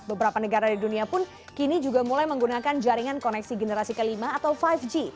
beberapa negara di dunia pun kini juga mulai menggunakan jaringan koneksi generasi kelima atau lima g